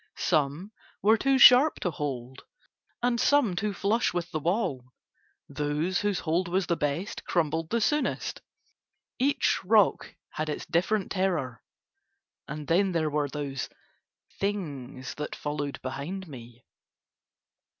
Some were too sharp to hold and some too flush with the wall, those whose hold was the best crumbled the soonest; each rock had its different terror: and then there were those things that followed behind me.